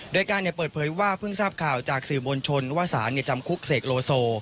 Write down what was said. โดยการเปิดเผยว่าเพิ่งทราบข่าวจากสื่อมวลชนว่าสารจำคุกเสกโลโซ